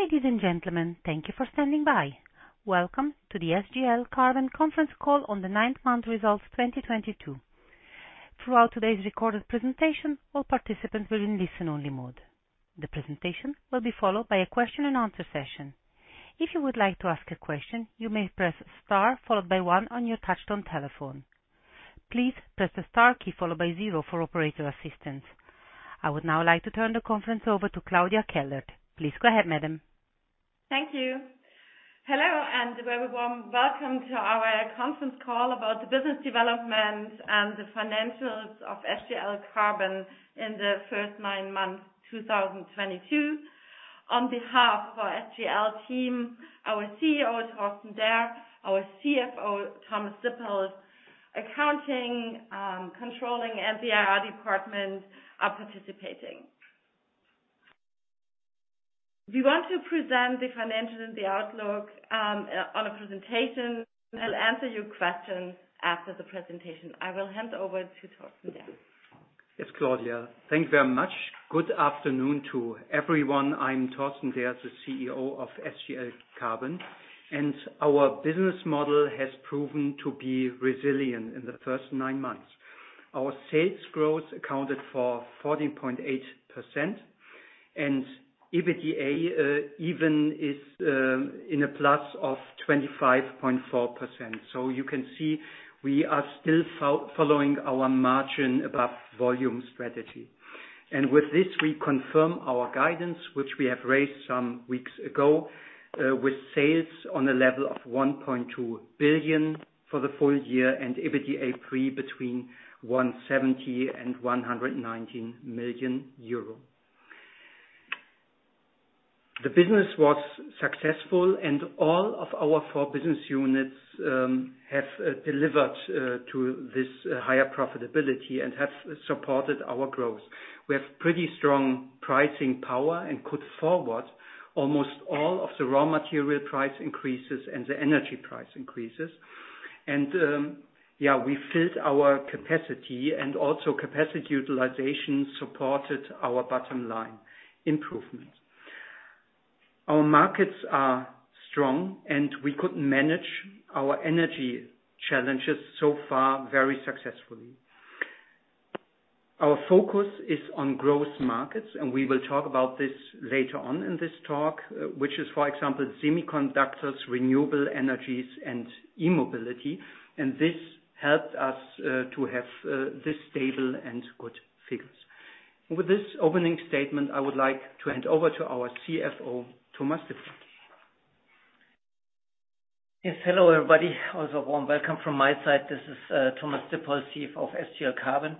Ladies and gentlemen, thank you for standing by. Welcome to the SGL Carbon conference call on the ninth month results 2022. Throughout today's recorded presentation, all participants will be in listen only mode. The presentation will be followed by a question and answer session. If you would like to ask a question, you may press star followed by one on your touch-tone telephone. Please press the star key followed by zero for operator assistance. I would now like to turn the conference over to Claudia Kellert. Please go ahead, madam. Thank you. Hello, and a very warm welcome to our conference call about the business development and the financials of SGL Carbon in the first nine months of 2022. On behalf of our SGL team, our CEO, Torsten Derr, our CFO, Thomas Dippold, accounting, controlling and IR department are participating. We want to present the financials and the outlook on a presentation. We'll answer your questions after the presentation. I will hand over to Torsten Derr. Yes, Claudia. Thank you very much. Good afternoon to everyone. I'm Torsten Derr, the CEO of SGL Carbon, and our business model has proven to be resilient in the first nine months. Our sales growth accounted for 14.8%, and EBITDA even is +25.4%. You can see we are still following our margin above volume strategy. With this, we confirm our guidance, which we have raised some weeks ago, with sales on a level of 1.2 billion for the full year and EBITDApre between 170 million euro and EUR 190 million. The business was successful and all of our four business units have delivered to this higher profitability and have supported our growth. We have pretty strong pricing power, and could forward almost all of the raw material price increases and the energy price increases. Yeah, we filled our capacity, and also capacity utilization supported our bottom line improvement. Our markets are strong, and we could manage our energy challenges so far very successfully. Our focus is on growth markets, and we will talk about this later on in this talk, which is, for example, semiconductors, renewable energies and e-mobility, and this helped us to have this stable and good figures. With this opening statement, I would like to hand over to our CFO, Thomas Dippold. Yes. Hello, everybody. A warm welcome from my side. This is Thomas Dippold, CFO of SGL Carbon,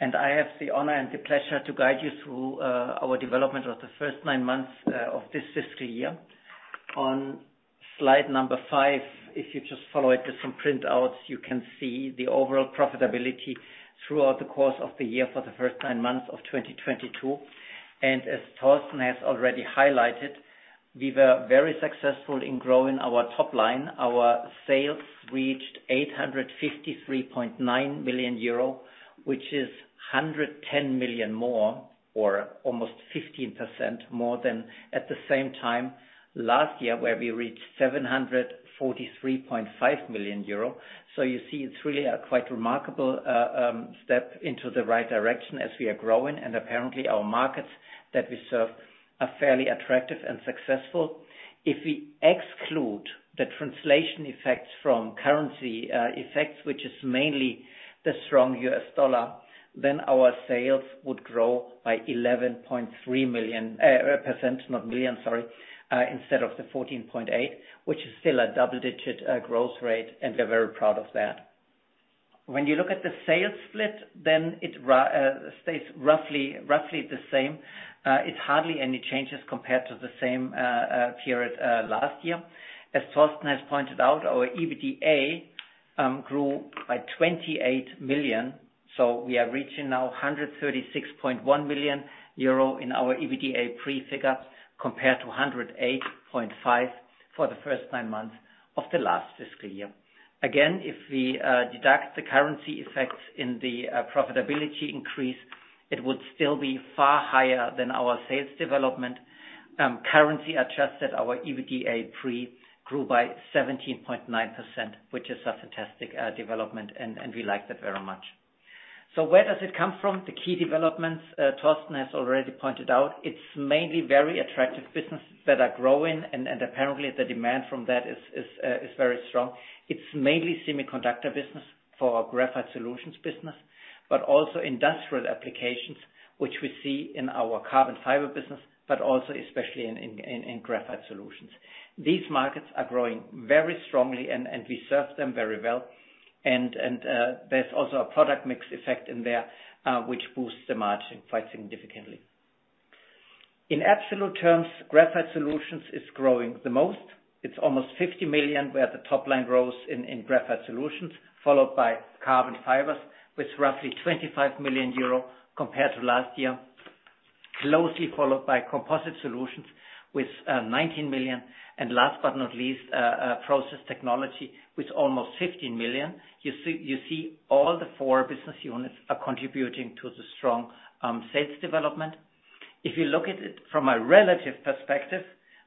and I have the honor and the pleasure to guide you through our development of the first nine months of this fiscal year. On slide number five, if you just follow it with some printouts, you can see the overall profitability throughout the course of the year for the first nine months of 2022. As Torsten has already highlighted, we were very successful in growing our top line. Our sales reached 853.9 million euro, which is 110 million more or almost 15% more than at the same time last year, where we reached 743.5 million euro. You see, it's really a quite remarkable step into the right direction as we are growing, and apparently, our markets that we serve are fairly attractive and successful. If we exclude the translation effects from currency effects, which is mainly the strong U.S. dollar, then our sales would grow by 11.3%, instead of the 14.8%, which is still a double-digit growth rate, and we're very proud of that. When you look at the sales split, then it stays roughly the same. It's hardly any changes compared to the same period last year. As Torsten has pointed out, our EBITDA grew by 28 million, so we are reaching now 136.1 million euro in our EBITDApre figure, compared to 108.5 million for the first nine months of the last fiscal year. Again, if we deduct the currency effects in the profitability increase, it would still be far higher than our sales development. Currency adjusted, our EBITDApre grew by 17.9%, which is a fantastic development, and we like that very much. Where does it come from? The key developments, Torsten has already pointed out, it's mainly very attractive businesses that are growing and apparently the demand from that is very strong. It's mainly semiconductor business for our Graphite Solutions business, but also industrial applications, which we see in our Carbon Fibers business, but also especially in Graphite Solutions. These markets are growing very strongly, and we serve them very well. There's also a product mix effect in there, which boosts the margin quite significantly. In absolute terms, Graphite Solutions is growing the most. It's almost 50 million, where the top line grows in Graphite Solutions, followed by Carbon Fibers with roughly 25 million euro compared to last year, closely followed by Composite Solutions with 19 million and last but not least, Process Technology with almost 15 million. You see all the four business units are contributing to the strong sales development. If you look at it from a relative perspective,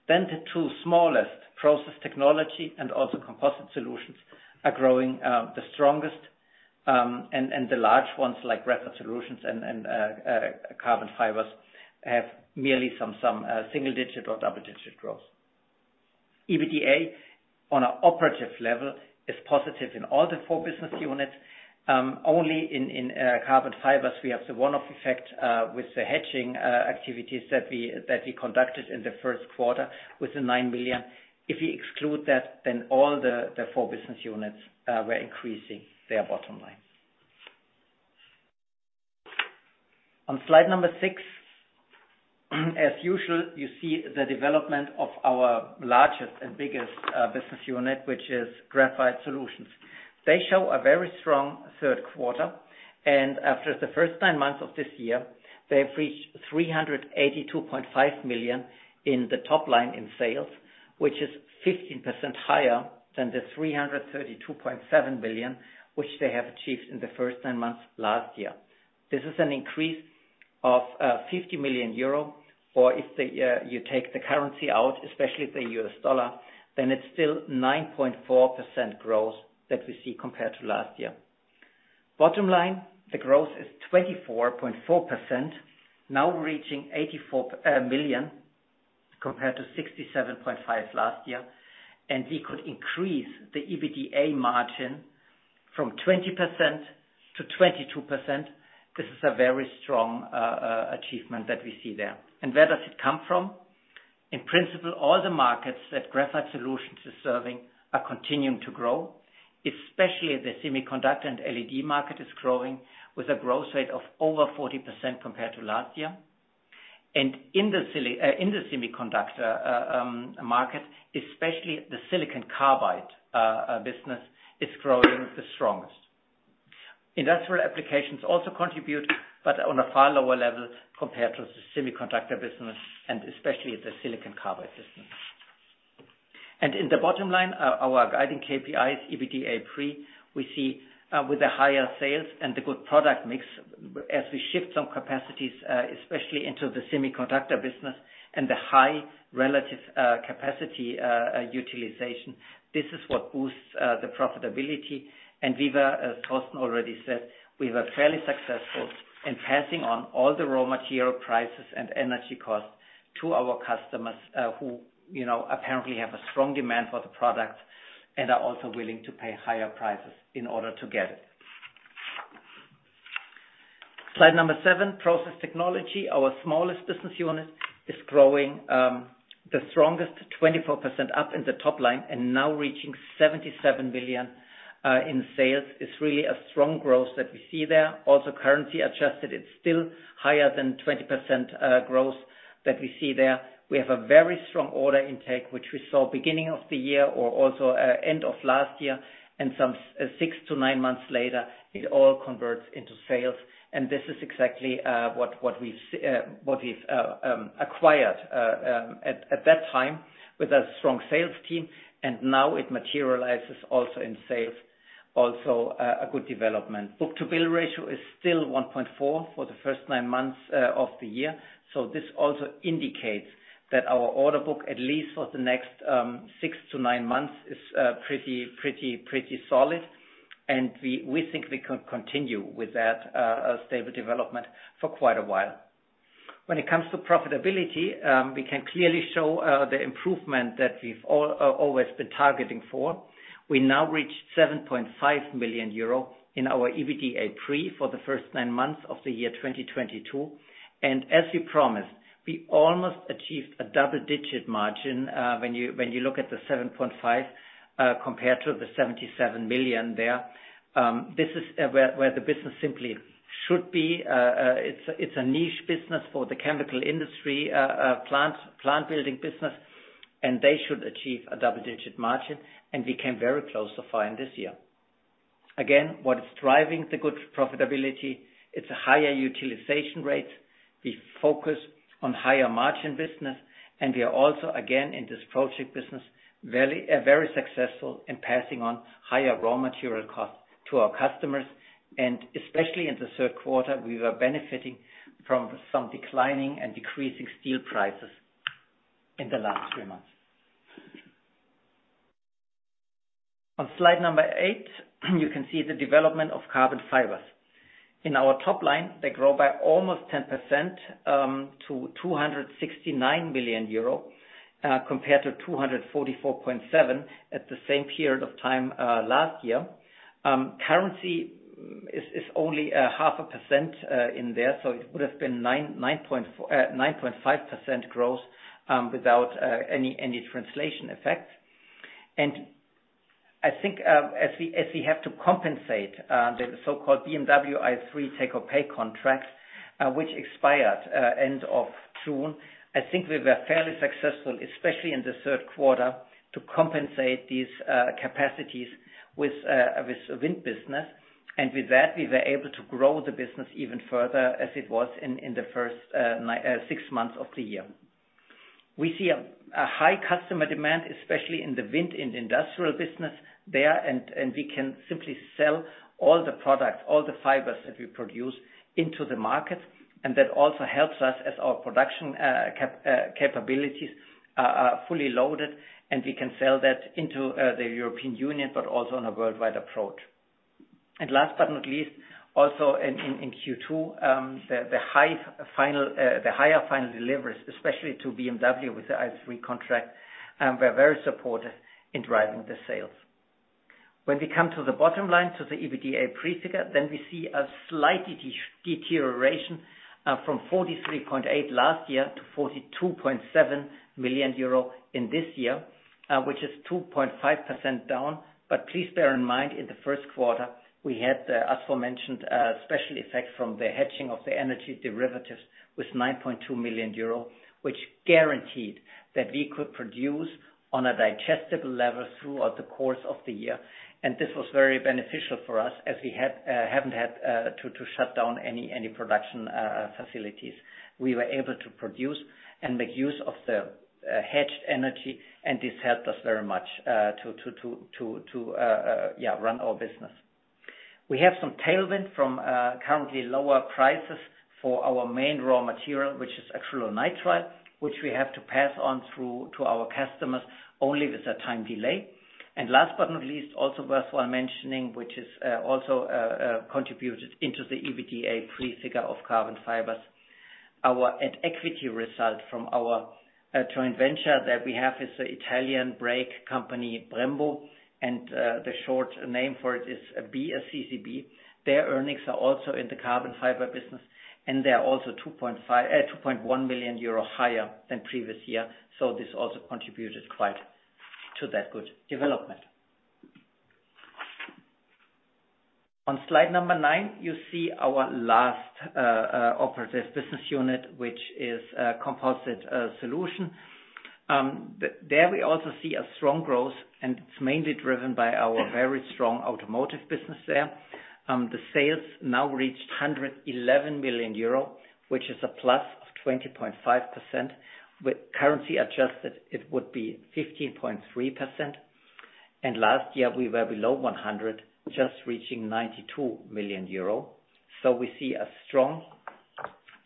the two smallest, Process Technology and Composite Solutions, are growing the strongest. The large ones like Graphite Solutions and Carbon Fibers have merely some single digit or double digit growth. EBITDA on an operative level is positive in all the four business units. Only in Carbon Fibers we have the one-off effect with the hedging activities that we conducted in the first quarter with the 9 million. If we exclude that, all the four business units were increasing their bottom line. On slide number six, as usual, you see the development of our largest and biggest business unit, which is Graphite Solutions. They show a very strong third quarter, and after the first nine months of this year, they have reached 382.5 million in the top line in sales, which is 15% higher than the 332.7 million, which they have achieved in the first nine months last year. This is an increase of 50 million euro, or if you take the currency out, especially the U.S. dollar, then it's still 9.4% growth that we see compared to last year. Bottom line, the growth is 24.4%, now reaching 84 million compared to 67.5 million last year. We could increase the EBITDA margin from 20% to 22%. This is a very strong achievement that we see there. Where does it come from? In principle, all the markets that Graphite Solutions is serving are continuing to grow, especially the semiconductor and LED market is growing with a growth rate of over 40% compared to last year. In the semiconductor market, especially the silicon carbide business is growing the strongest. Industrial applications also contribute, but on a far lower level compared to the semiconductor business, and especially the silicon carbide business. In the bottom line, our guiding KPIs, EBITDApre, we see with the higher sales and the good product mix as we shift some capacities, especially into the semiconductor business and the high relative capacity utilization. This is what boosts the profitability. We were, as Torsten already said, we were fairly successful in passing on all the raw material prices and energy costs to our customers, who, you know, apparently have a strong demand for the product, and are also willing to pay higher prices in order to get it. Slide number seven, Process Technology, our smallest business unit, is growing the strongest 24% up in the top line, and now reaching 77 million in sales. It's really a strong growth that we see there. Also currency adjusted, it's still higher than 20% growth that we see there. We have a very strong order intake, which we saw beginning of the year or also end of last year, and some six to nine months later, it all converts into sales. This is exactly what we've acquired at that time with a strong sales team, and now it materializes also in sales. A good development. Book-to-bill ratio is still 1.4 for the first nine months of the year. This also indicates that our order book, at least for the next six to nine months, is pretty solid. We think we can continue with that stable development for quite a while. When it comes to profitability, we can clearly show the improvement that we've always been targeting for. We now reach 7.5 million euro in our EBITDApre for the first nine months of the year 2022. As we promised, we almost achieved a double-digit margin when you look at the 7.5%, compared to the 77 million there. This is where the business simply should be. It's a niche business for the chemical industry, plant building business, and they should achieve a double-digit margin, and we came very close to finding this year. Again, what is driving the good profitability, it's a higher utilization rate. We focus on higher margin business, and we are also, again, in this project business, very successful in passing on higher raw material costs to our customers. Especially in the third quarter, we were benefiting from some declining and decreasing steel prices in the last three months. On slide number eight, you can see the development of Carbon Fibers. In our top line, they grow by almost 10%, to 269 million euro, compared to 244.7 million at the same period of time last year. Currency is only 0.5% in there, so it would have been 9.5% growth without any translation effect. I think as we have to compensate the so-called BMW i3 take or pay contracts, which expired end of June. I think we were fairly successful, especially in the third quarter, to compensate these capacities with wind business. With that, we were able to grow the business even further as it was in the first six months of the year. We see a high customer demand, especially in the wind and industrial business ther. We can simply sell all the products, all the fibers that we produce into the market. That also helps us as our production capabilities are fully loaded, and we can sell that into the European Union, but also on a worldwide approach. Last but not least, also in Q2, the higher final deliveries, especially to BMW with the i3 contract, were very supportive in driving the sales. When we come to the bottom line, to the EBITDApre figure, then we see a slight deterioration from 43.8 million last year to 42.7 million euro in this year, which is 2.5% down. Please bear in mind, in the first quarter, we had, as aforementioned, special effect from the hedging of the energy derivatives with 9.2 million euro, which guaranteed that we could produce on a digestible level throughout the course of the year. This was very beneficial for us as we haven't had to run our business. We have some tailwind from currently lower prices for our main raw material, which is acrylonitrile, which we have to pass on through to our customers only with a time delay. Last but not least, also worthwhile mentioning, which is also contributed into the EBITDApre figure of Carbon Fibers. Our at equity result from our joint venture that we have is the Italian brake company, Brembo, and the short name for it is BSCCB. Their earnings are also in the carbon fiber business, and they are also 2.1 million euro higher than previous year. This also contributed quite to that good development. On slide number nine, you see our last operative business unit, which is Composite Solutions. There we also see a strong growth, and it's mainly driven by our very strong automotive business there. The sales now reached 111 million euro, which is a +20.5%. With currency adjusted, it would be 15.3%. Last year, we were below 100 million, just reaching 92 million euro. We see a strong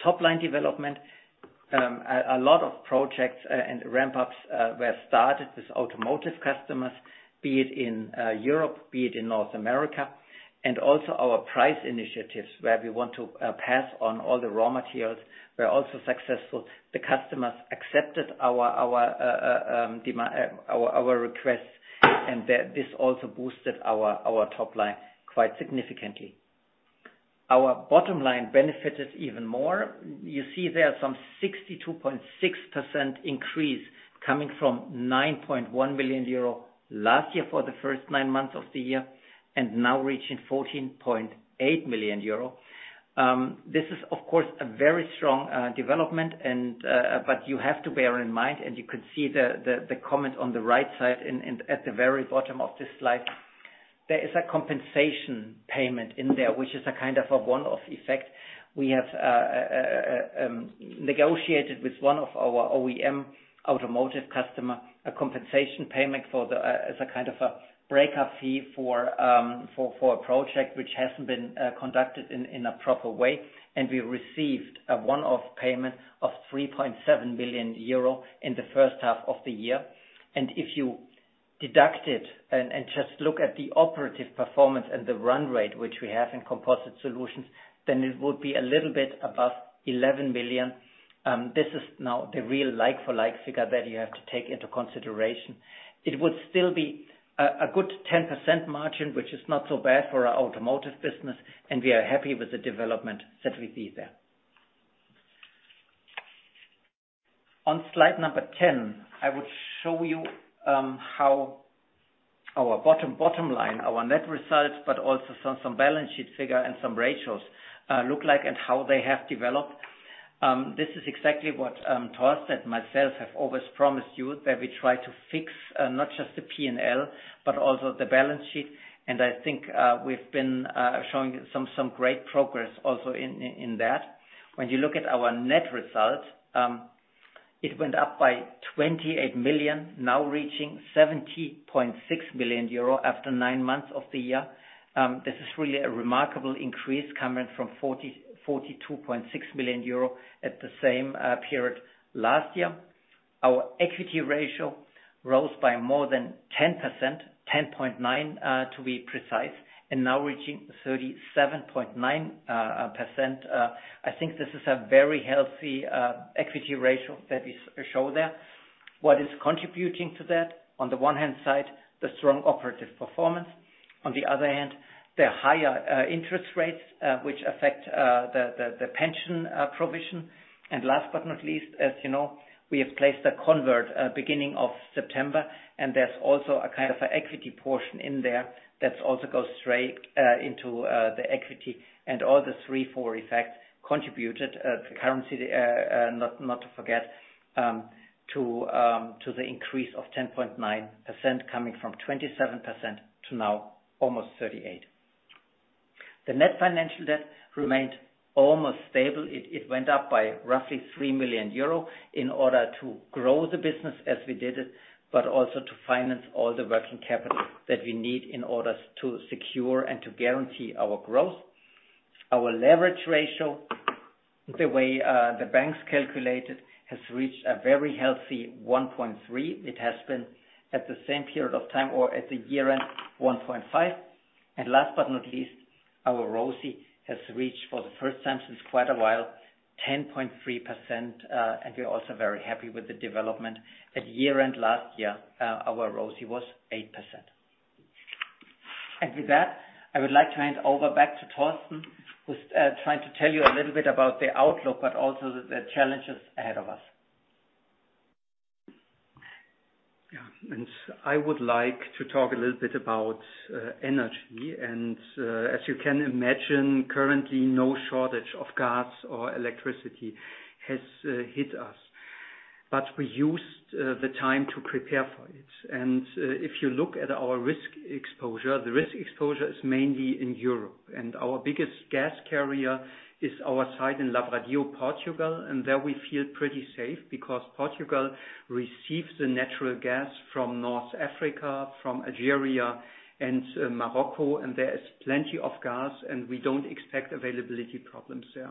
top-line development. A lot of projects and ramp-ups were started with automotive customers, be it in Europe, be it in North America. Our price initiatives where we want to pass on all the raw materials were also successful. The customers accepted our requests, and this also boosted our top line quite significantly. Our bottom line benefited even more. You see there some 62.6% increase coming from 9.1 million euro last year for the first nine months of the year and now reaching 14.8 million euro. This is, of course, a very strong development and, but you have to bear in mind, and you can see the comment on the right side and at the very bottom of this slide, there is a compensation payment in there, which is a kind of a one-off effect. We have negotiated with one of our OEM automotive customer a compensation payment for the, as a kind of a breakup fee for a project which hasn't been conducted in a proper way. We received a one-off payment of 3.7 million euro in the first half of the year. If you deduct it and just look at the operating performance and the run rate which we have in Composite Solutions, then it would be a little bit above 11 million. This is now the real like for like figure that you have to take into consideration. It would still be a good 10% margin, which is not so bad for our automotive business, and we are happy with the development that we see there. On slide number 10, I would show you how our bottom line, our net results, but also some balance sheet figure and some ratios look like and how they have developed. This is exactly what Torsten and myself have always promised you, that we try to fix not just the P&L, but also the balance sheet. I think we've been showing some great progress also in that. When you look at our net results, it went up by 28 million, now reaching 70.6 million euro after nine months of the year. This is really a remarkable increase coming from 42.6 million euro at the same period last year. Our equity ratio rose by more than 10%, 10.9% to be precise, and now reaching 37.9%. I think this is a very healthy equity ratio that we show there. What is contributing to that, on the one hand, the strong operating performance. On the other hand, the higher interest rates, which affect the pension provision. Last but not least, as you know, we have placed a convertible beginning of September, and there's also a kind of equity portion in there that also goes straight into the equity. All the three, four effects contributed, the currency, not to forget, to the increase of 10.9% coming from 27% to now almost 38%. The net financial debt remained almost stable. It went up by roughly 3 million euro in order to grow the business as we did it, but also to finance all the working capital that we need in order to secure and to guarantee our growth. Our leverage ratio, the way the banks calculate it, has reached a very healthy 1.3x. It has been at the same period of time, or at the year-end, 1.5x. Last but not least, our ROCE has reached, for the first time since quite a while, 10.3%. We're also very happy with the development. At year-end last year, our ROCE was 8%. With that, I would like to hand over back to Torsten, who's trying to tell you a little bit about the outlook, but also the challenges ahead of us. Yeah. I would like to talk a little bit about energy. As you can imagine, currently, no shortage of gas or electricity has hit us. We used the time to prepare for it. If you look at our risk exposure, the risk exposure is mainly in Europe, and our biggest gas consumer is our site in Lavradio, Portugal. There we feel pretty safe because Portugal receives the natural gas from North Africa, from Algeria and Morocco, and there is plenty of gas, and we don't expect availability problems there.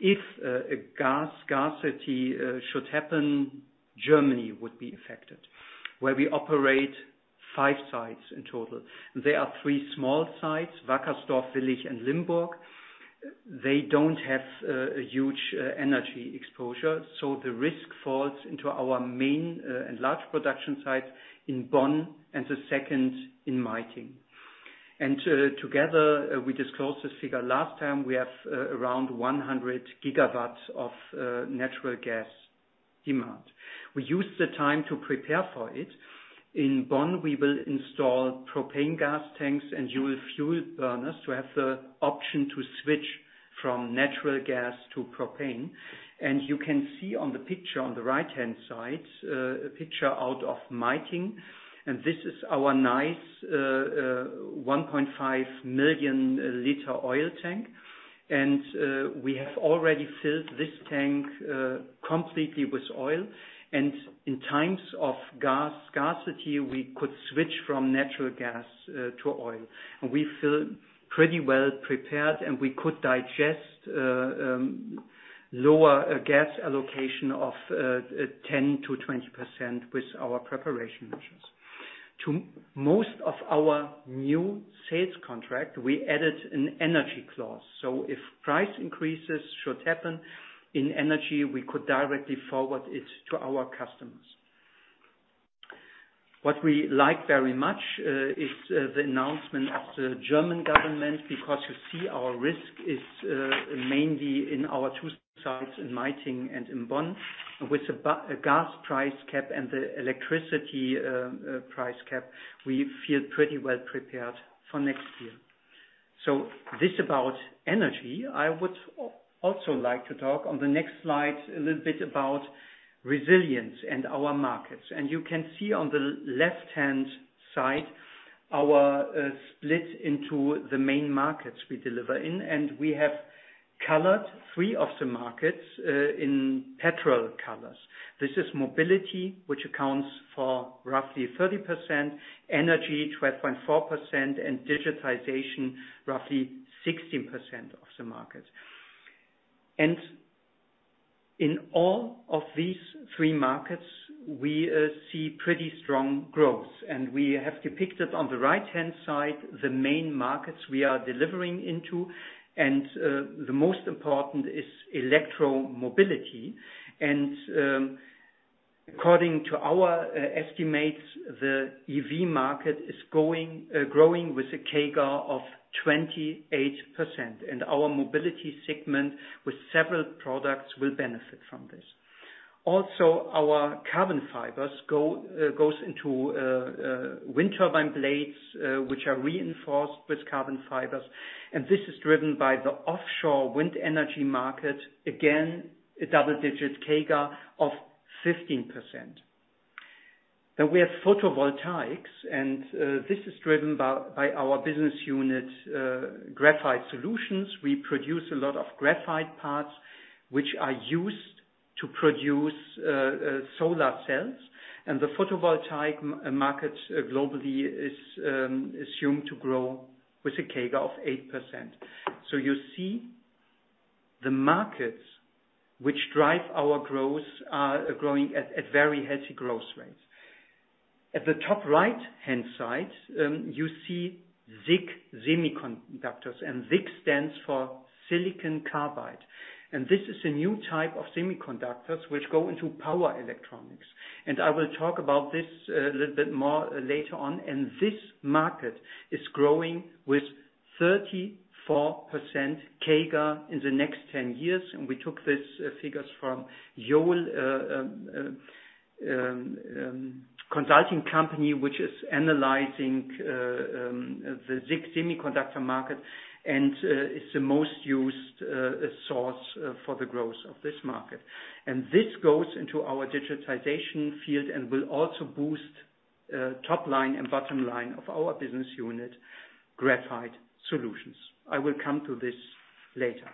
If a gas scarcity should happen, Germany would be affected, where we operate 5 sites in total. There are 3 small sites, Wackersdorf, Willich and Limburg. They don't have a huge energy exposure, so the risk falls into our main and large production site in Bonn and the second in Meitingen. Together, we disclosed this figure last time, we have around 100 GW of natural gas demand. We used the time to prepare for it. In Bonn, we will install propane gas tanks and dual fuel burners to have the option to switch from natural gas to propane. You can see on the picture on the right-hand side, a picture out of Meitingen, and this is our nice 1.5 million liter oil tank. We have already filled this tank completely with oil. In times of gas scarcity, we could switch from natural gas to oil. We feel pretty well prepared, and we could digest lower gas allocation of 10%-20% with our preparation measures. To most of our new sales contract, we added an energy clause. If price increases should happen in energy, we could directly forward it to our customers. What we like very much is the announcement of the German government because you see our risk is mainly in our two sites in Meitingen and in Bonn. With a gas price cap and the electricity price cap, we feel pretty well prepared for next year. This about energy. I would also like to talk on the next slide a little bit about resilience and our markets. You can see on the left-hand side our split into the main markets we deliver in. We have colored three of the markets in petrol colors. This is mobility, which accounts for roughly 30%, energy 12.4%, and digitization, roughly 16% of the market. In all of these three markets, we see pretty strong growth. We have depicted on the right-hand side the main markets we are delivering into. The most important is electromobility. According to our estimates, the EV market is growing with a CAGR of 28%, and our mobility segment with several products will benefit from this. Also, our carbon fibers go into wind turbine blades, which are reinforced with carbon fibers, and this is driven by the offshore wind energy market. Again, a double-digit CAGR of 15%. We have photovoltaics, and this is driven by our business unit, Graphite Solutions. We produce a lot of graphite parts, which are used to produce solar cells. The photovoltaic market globally is assumed to grow with a CAGR of 8%. You see the markets which drive our growth are growing at very healthy growth rates. At the top right-hand side, you see SiC semiconductors, and SiC stands for silicon carbide. This is a new type of semiconductors which go into power electronics. I will talk about this a little bit more later on. This market is growing with 34% CAGR in the next 10 years. We took these figures from Yole consulting company, which is analyzing the SiC semiconductor market and is the most used source for the growth of this market. This goes into our digitization field and will also boost top line and bottom line of our business unit, Graphite Solutions. I will come to this later.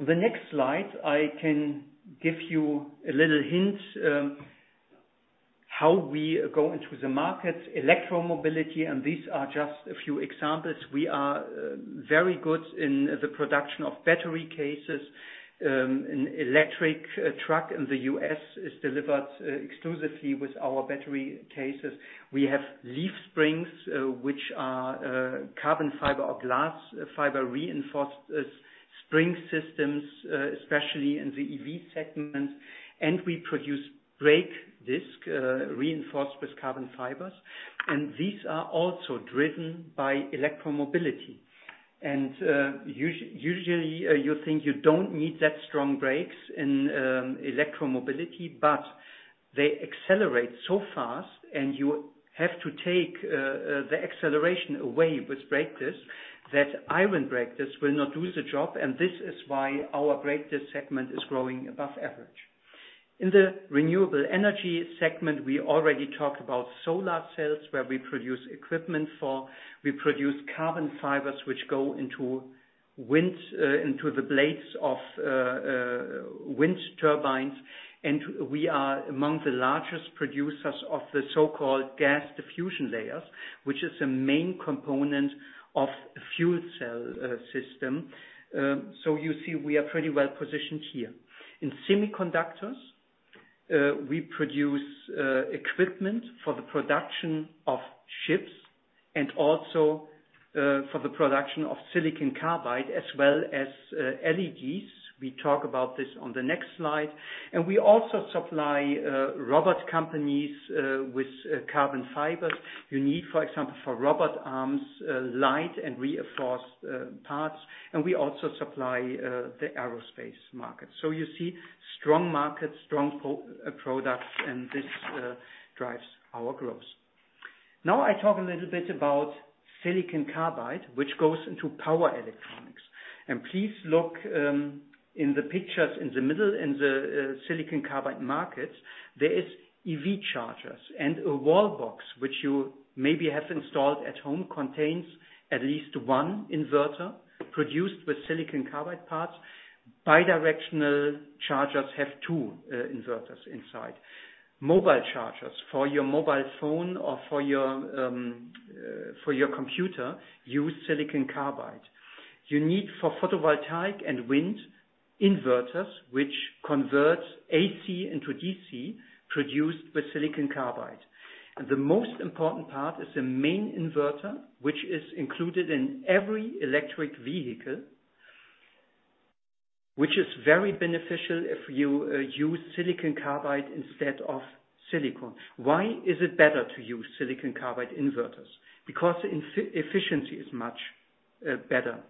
The next slide, I can give you a little hint how we go into the market, electromobility, and these are just a few examples. We are very good in the production of battery cases. An electric truck in the U.S. is delivered exclusively with our battery cases. We have leaf springs which are carbon fiber or glass fiber reinforced spring systems especially in the EV segment. We produce brake disc reinforced with carbon fibers. Usually, you think you don't need that strong brakes in electromobility, but they accelerate so fast, and you have to take the acceleration away with brake discs, that iron brake discs will not do the job, and this is why our brake disc segment is growing above average. In the renewable energy segment, we already talked about solar cells, where we produce equipment for. We produce carbon fibers which go into the blades of wind turbines. We are among the largest producers of the so-called gas diffusion layers, which is a main component of fuel cell system. You see, we are pretty well-positioned here. In semiconductors, we produce equipment for the production of chips and also for the production of silicon carbide as well as LEDs. We talk about this on the next slide. We also supply robot companies with carbon fibers. You need, for example, for robot arms, light and reinforced parts. We also supply the aerospace market. You see strong markets, strong products, and this drives our growth. Now I talk a little bit about silicon carbide, which goes into power electronics. Please look in the pictures in the middle, in the silicon carbide markets, there is EV chargers and a wall box, which you maybe have installed at home, contains at least one inverter produced with silicon carbide parts. Bidirectional chargers have two inverters inside. Mobile chargers for your mobile phone or for your computer use silicon carbide. You need for photovoltaic and wind inverters, which convert AC into DC, produced with silicon carbide. The most important part is the main inverter, which is included in every electric vehicle, which is very beneficial if you use silicon carbide instead of silicon. Why is it better to use silicon carbide inverters? Because efficiency is much better.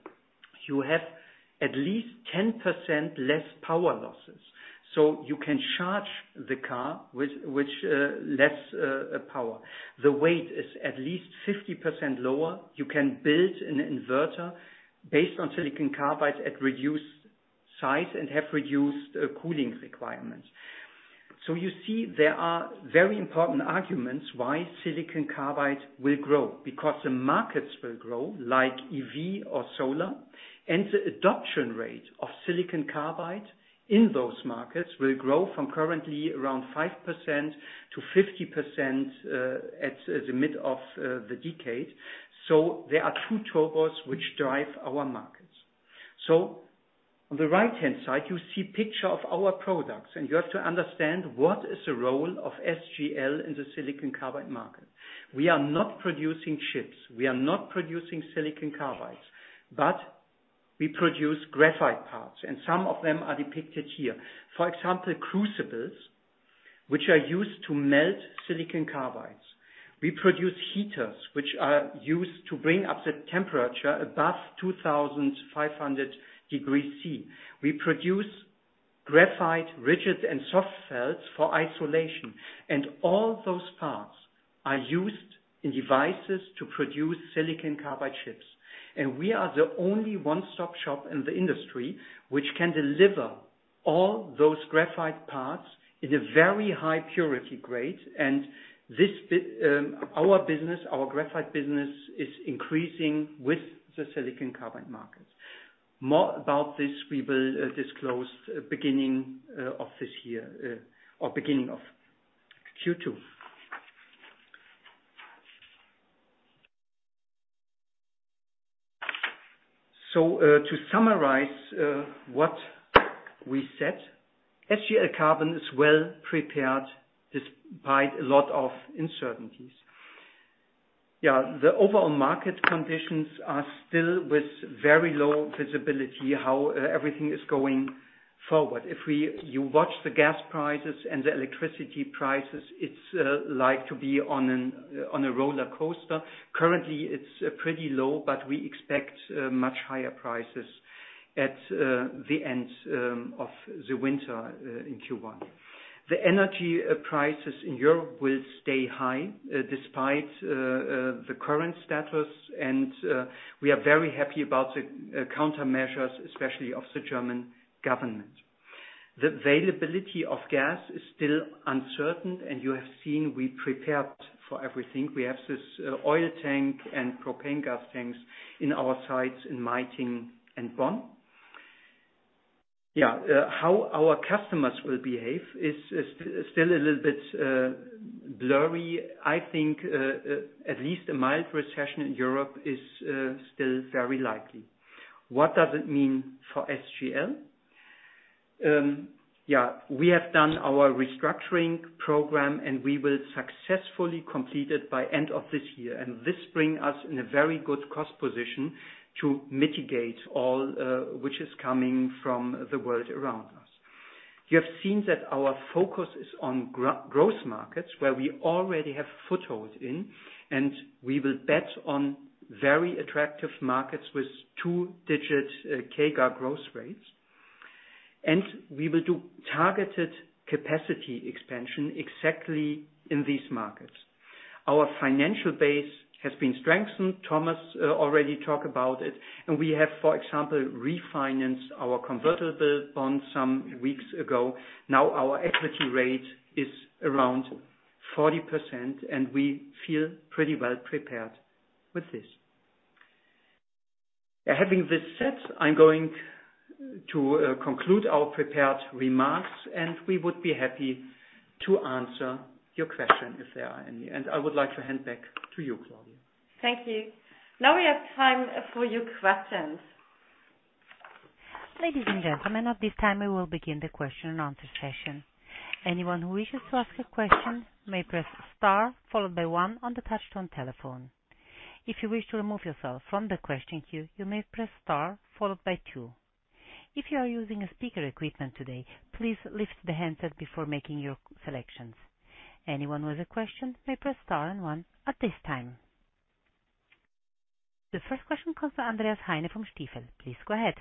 You have at least 10% less power losses. You can charge the car with less power. The weight is at least 50% lower. You can build an inverter based on silicon carbide at reduced size and have reduced cooling requirements. You see, there are very important arguments why silicon carbide will grow, because the markets will grow like EV or solar, and the adoption rate of silicon carbide in those markets will grow from currently around 5% to 50%, at the mid of the decade. There are two turbos which drive our markets. On the right-hand side, you see picture of our products, and you have to understand what is the role of SGL in the silicon carbide market. We are not producing chips. We are not producing silicon carbides. We produce graphite parts, and some of them are depicted here. For example, crucibles, which are used to melt silicon carbides. We produce heaters, which are used to bring up the temperature above 2,500 degrees Celsius. We produce graphite rigid and soft felts for isolation. All those parts are used in devices to produce silicon carbide chips. We are the only one-stop shop in the industry which can deliver all those graphite parts in a very high purity grade. This bit, our business, our graphite business, is increasing with the silicon carbide markets. More about this we will disclose beginning of this year or beginning of Q2. To summarize what we said, SGL Carbon is well prepared despite a lot of uncertainties. The overall market conditions are still with very low visibility, how everything is going forward. If you watch the gas prices and the electricity prices, it's like to be on a roller coaster. Currently, it's pretty low, but we expect much higher prices at the end of the winter in Q1. The energy prices in Europe will stay high, despite the current status. We are very happy about the countermeasures, especially of the German government. The availability of gas is still uncertain, and you have seen we prepared for everything. We have this, oil tank and propane gas tanks in our sites in Meitingen and Bonn. How our customers will behave is still a little bit blurry. I think at least a mild recession in Europe is still very likely. What does it mean for SGL? We have done our restructuring program, and we will successfully complete it by end of this year. This bring us in a very good cost position to mitigate all, which is coming from the world around us. You have seen that our focus is on growth markets, where we already have foothold in, and we will bet on very attractive markets with two-digit CAGR growth rates. We will do targeted capacity expansion exactly in these markets. Our financial base has been strengthened. Thomas already talk about it. We have, for example, refinanced our convertible bonds some weeks ago. Now our equity rate is around 40%, and we feel pretty well prepared with this. Having this said, I'm going to conclude our prepared remarks, and we would be happy to answer your question if there are any. I would like to hand back to you, Claudia. Thank you. Now we have time for your questions. Ladies and gentlemen, at this time, we will begin the question and answer session. Anyone who wishes to ask a question may press star followed by one on the touchtone telephone. If you wish to remove yourself from the question queue, you may press star followed by two. If you are using speaker equipment today, please lift the handset before making your selections. Anyone with a question may press star and one at this time. The first question comes from Andreas Heine from Stifel. Please go ahead.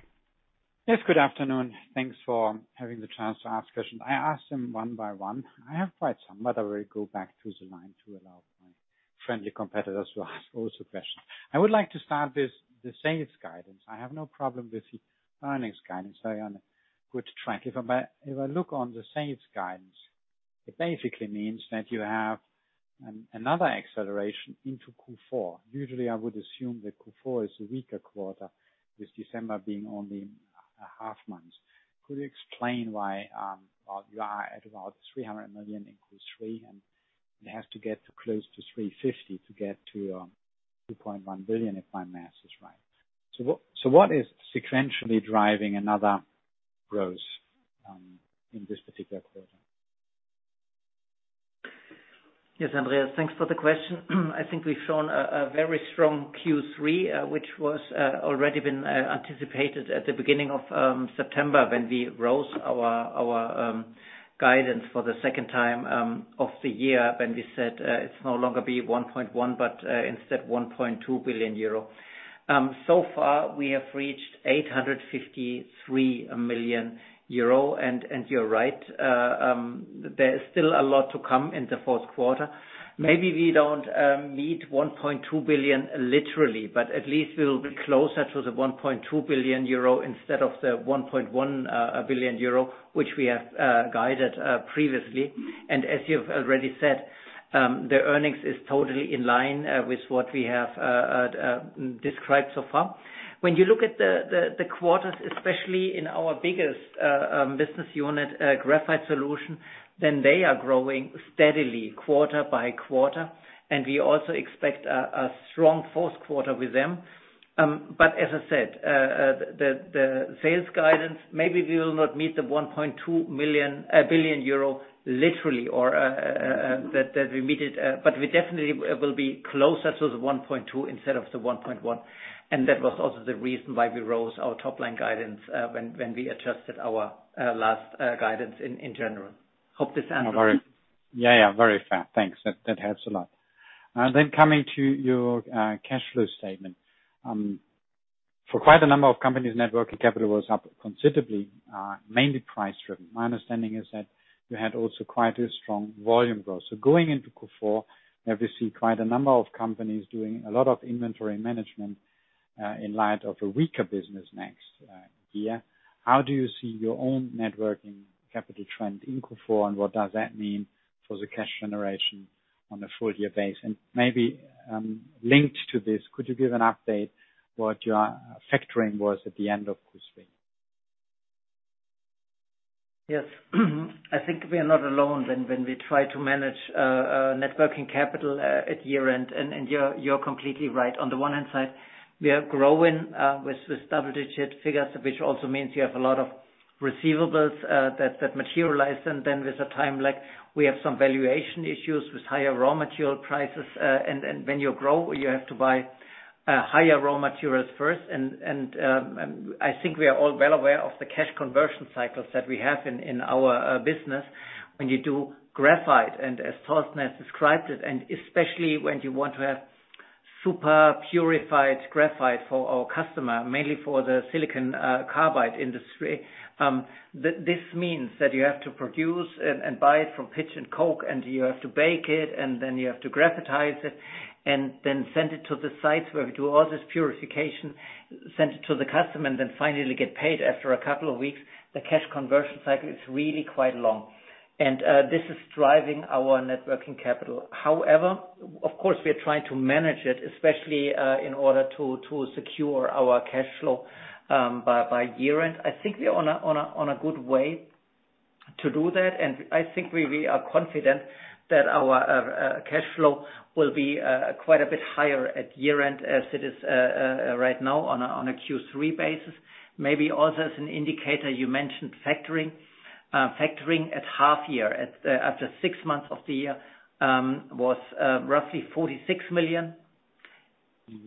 Yes, good afternoon. Thanks for having the chance to ask questions. I ask them one by one. I have quite some, but I will go back through the line to allow my friendly competitors to ask also questions. I would like to start with the sales guidance. I have no problem with the earnings guidance. Very on a good track. If I look on the sales guidance, it basically means that you have another acceleration into Q4. Usually, I would assume that Q4 is a weaker quarter, with December being only a half month. Could you explain why, well, you are at about 300 million in Q3, and it has to get close to 350 million to get to 2.1 billion, if my math is right. So what is sequentially driving another growth in this particular quarter? Yes, Andreas, thanks for the question. I think we've shown a very strong Q3, which was already been anticipated at the beginning of September when we raised our guidance for the second time of the year, when we said, it's no longer be 1.1 billion, but instead 1.2 billion euro. So far, we have reached 853 million euro. And you're right, there is still a lot to come in the fourth quarter. Maybe we don't meet 1.2 billion literally, but at least we'll be closer to the 1.2 billion euro instead of the 1.1 billion euro, which we have guided previously. You've already said, the earnings is totally in line with what we have described so far. When you look at the quarters, especially in our biggest business unit, Graphite Solutions, then they are growing steadily quarter by quarter, and we also expect a strong fourth quarter with them. But as I said, the sales guidance, maybe we will not meet the 1.2 billion euro literally or that we meet it. But we definitely will be closer to the 1.2 billion instead of the 1.1 billion. That was also the reason why we raised our top line guidance, when we adjusted our last guidance in general. Hope this answers. Yeah, yeah. Very fair. Thanks. That helps a lot. Coming to your cash flow statement. For quite a number of companies, net working capital was up considerably, mainly price-driven. My understanding is that you had also quite a strong volume growth. Going into Q4, now we see quite a number of companies doing a lot of inventory management, in light of a weaker business next year. How do you see your own net working capital trend in Q4, and what does that mean for the cash generation on a full-year base? Maybe, linked to this, could you give an update what your factoring was at the end of Q3? Yes. I think we are not alone when we try to manage net working capital at year-end. You're completely right. On the one hand side, we are growing with double-digit figures, which also means you have a lot of receivables that materialize. With a time lag, we have some valuation issues with higher raw material prices. When you grow, you have to buy higher raw materials first. I think we are all well aware of the cash conversion cycles that we have in our business when you do graphite and as Torsten has described it, and especially when you want to have super purified graphite for our customer, mainly for the silicon carbide industry. This means that you have to produce and buy it from pitch and coke, and you have to bake it, and then you have to graphitize it, and then send it to the site where we do all this purification, send it to the customer, and then finally get paid after a couple of weeks. The cash conversion cycle is really quite long. This is driving our net working capital. However, of course, we are trying to manage it, especially in order to secure our cash flow by year-end. I think we're on a good way to do that, and I think we are confident that our cash flow will be quite a bit higher at year-end as it is right now on a Q3 basis. Maybe also as an indicator, you mentioned factoring. Factoring at half year, after six months of the year, was roughly 46 million,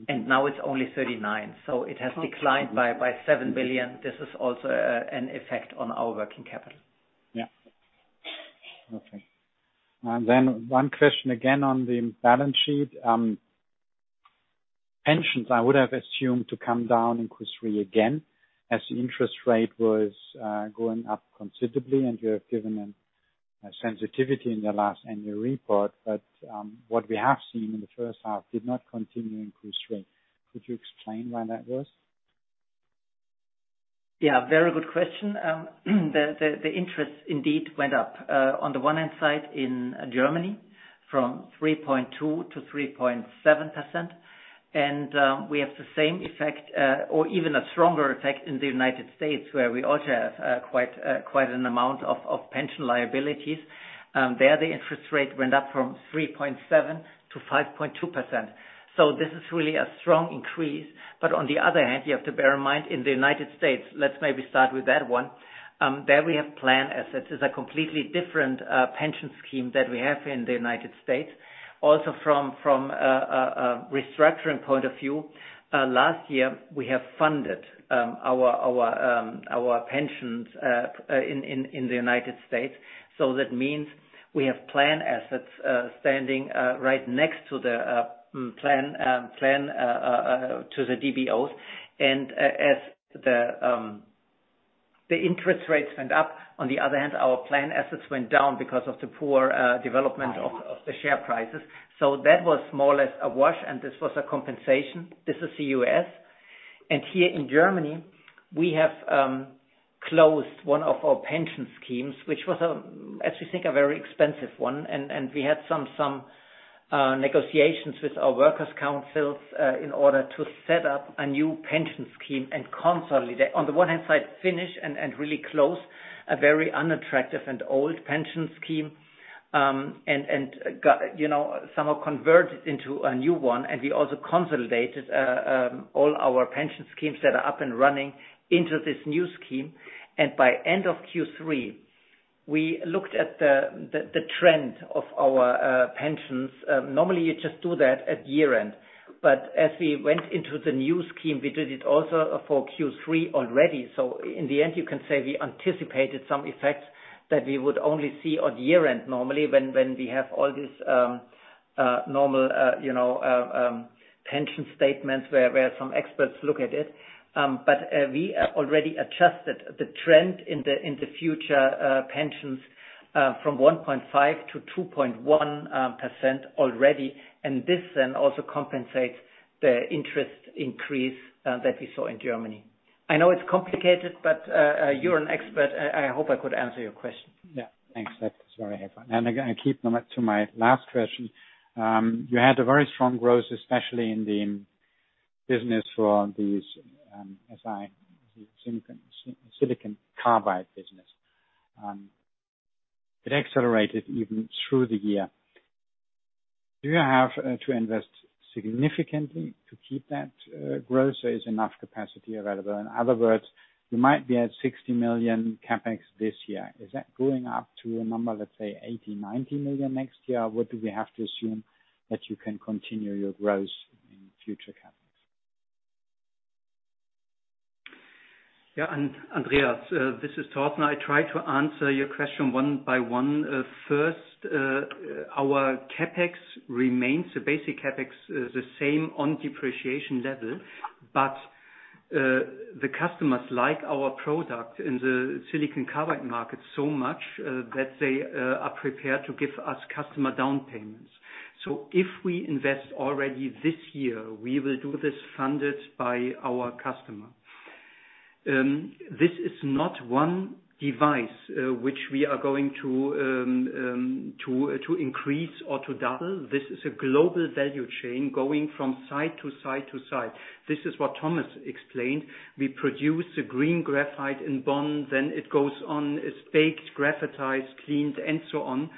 and now it's only 39 million. It has declined by 7 million. This is also an effect on our working capital. Yeah. Okay. Then one question again on the balance sheet. Pensions, I would have assumed to come down in Q3 again as the interest rate was going up considerably, and you have given a sensitivity in the last annual report. But what we have seen in the first half did not continue in Q3. Could you explain why that was? Yeah, very good question. The interest indeed went up on the one hand side in Germany from 3.2% to 3.7%. We have the same effect or even a stronger effect in the United States, where we also have quite an amount of pension liabilities. There, the interest rate went up from 3.7% to 5.2%. This is really a strong increase. On the other hand, you have to bear in mind, in the United States, let's maybe start with that one. There we have plan assets. It's a completely different pension scheme that we have in the United States. From a restructuring point of view, last year we have funded our pensions in the United States. That means we have plan assets standing right next to the plan to the DBOs. As the interest rates went up, on the other hand, our plan assets went down because of the poor development of the share prices. That was more or less a wash, and this was a compensation. This is the U.S. Here in Germany, we have closed one of our pension schemes, which was, as we think, a very expensive one. We had some negotiations with our works councils in order to set up a new pension scheme and consolidate. On the one hand side, finish and really close a very unattractive and old pension scheme, and got, you know, somehow convert it into a new one. We also consolidated all our pension schemes that are up and running into this new scheme. By end of Q3, we looked at the trend of our pensions. Normally you just do that at year-end. As we went into the new scheme, we did it also for Q3 already. In the end, you can say we anticipated some effects that we would only see on year-end normally when we have all these normal pension statements where some experts look at it. We have already adjusted the trend in the future pensions from 1.5% to 2.1% already. This then also compensates the interest increase that we saw in Germany. I know it's complicated, but you're an expert. I hope I could answer your question. Yeah. Thanks. That's very helpful. Again, I keep to my last question. You had a very strong growth, especially in the silicon carbide business. It accelerated even through the year. Do you have to invest significantly to keep that growth? There is enough capacity available. In other words, you might be at 60 million CapEx this year. Is that going up to a number, let's say 80 million-90 million next year? Or do we have to assume that you can continue your growth in future CapEx? Yeah. Andreas, this is Torsten. I try to answer your question one by one. First, our CapEx remains the basic CapEx, the same on depreciation level. The customers like our product in the silicon carbide market so much, that they are prepared to give us customer down payments. If we invest already this year, we will do this funded by our customer. This is not one device, which we are going to increase or to double. This is a global value chain going from site to site to site. This is what Thomas explained. We produce a green graphite in Bonn, then it goes on, it's baked, graphitized, cleaned, and so on.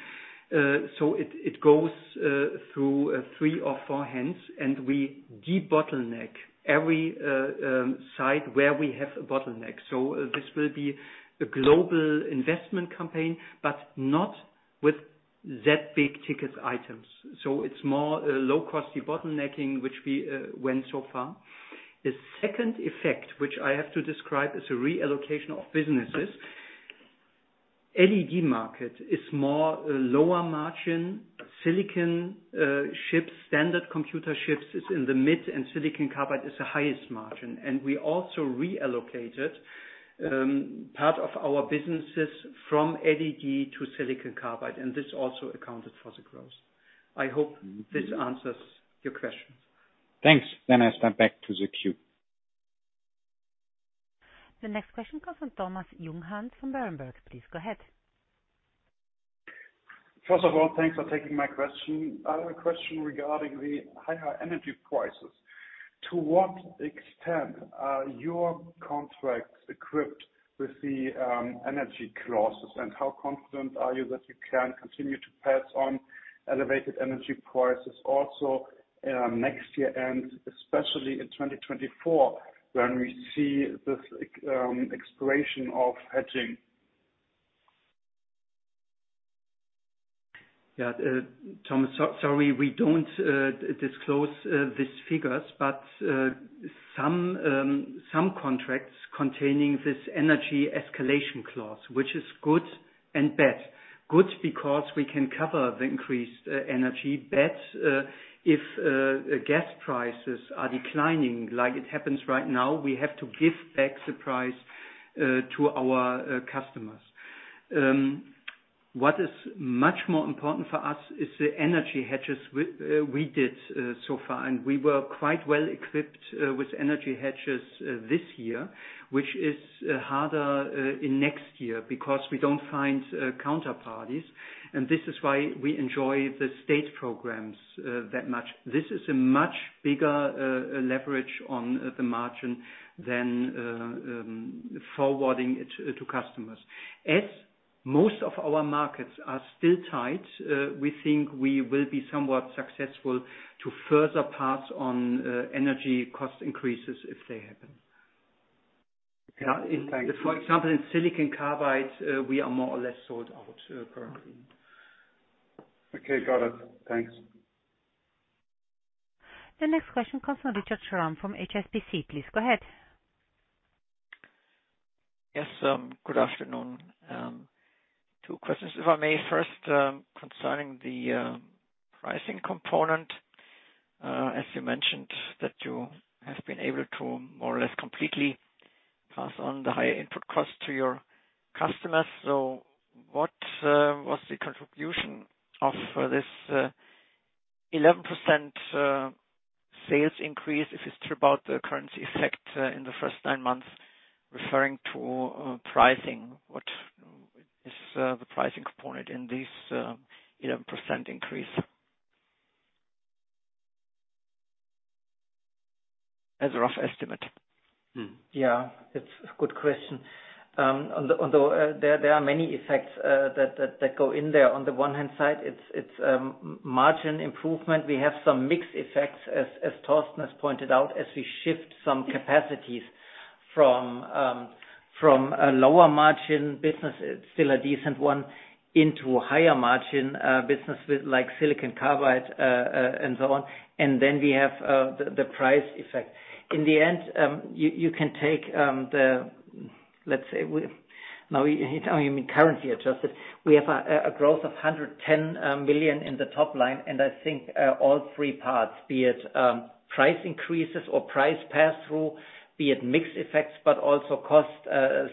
It goes through three or four hands, and we debottleneck every site where we have a bottleneck. This will be a global investment campaign, but not with that big-ticket items. It's more a low-cost debottlenecking, which we went so far. The second effect, which I have to describe, is a reallocation of businesses. LED market is more lower margin. Silicon chips, standard computer chips is in the mid, and silicon carbide is the highest margin. We also reallocated part of our businesses from LED to silicon carbide, and this also accounted for the growth. I hope this answers your questions. Thanks. I step back to the queue. The next question comes from Thomas Junghanns from Berenberg. Please go ahead. First of all, thanks for taking my question. I have a question regarding the higher energy prices. To what extent are your contracts equipped with the energy clauses, and how confident are you that you can continue to pass on elevated energy prices also next year and especially in 2024 when we see this expiration of hedging? Thomas, sorry, we don't disclose these figures, but some contracts containing this energy escalation clause, which is good and bad. Good because we can cover the increased energy. Bad if gas prices are declining like it happens right now, we have to give back the price to our customers. What is much more important for us is the energy hedges we did so far, and we were quite well equipped with energy hedges this year, which is harder in next year because we don't find counterparties, and this is why we enjoy the state programs that much. This is a much bigger leverage on the margin than forwarding it to customers. As most of our markets are still tight, we think we will be somewhat successful to further pass on energy cost increases if they happen. Yeah. Thank you. For example, in silicon carbide, we are more or less sold out, currently. Okay. Got it. Thanks. The next question comes from Richard Schramm from HSBC. Please go ahead. Yes, good afternoon. Two questions, if I may. First, concerning the pricing component, as you mentioned that you have been able to more or less completely pass on the higher input cost to your customers. What was the contribution of this 11% sales increase if you strip out the currency effect in the first nine months referring to pricing? What is the pricing component in this 11% increase? As a rough estimate. Yeah, it's a good question. On the one hand side, it's margin improvement. We have some mixed effects, as Torsten has pointed out, as we shift some capacities from a lower margin business, it's still a decent one, into a higher margin business with like silicon carbide and so on. Then we have the price effect. In the end, you can take the, let's say, now you mean currency adjusted. We have a growth of 110 million in the top line, and I think all three parts, be it price increases or price pass-through, be it mixed effects, but also cost